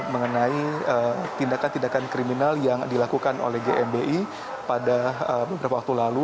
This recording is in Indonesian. mengenai tindakan tindakan kriminal yang dilakukan oleh gmbi pada beberapa waktu lalu